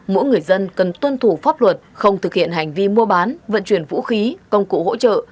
mỗi người dân cần tuân thủ pháp luật không thực hiện hành vi mua bán vận chuyển vũ khí công cụ hỗ trợ